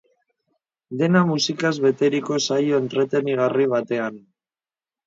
Dena musikaz beteriko saio entretenigarri batean.